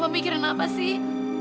papa mikirin apa sih